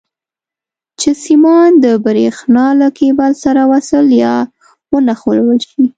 چې سیمان د برېښنا له کیبل سره وصل یا ونښلول شي.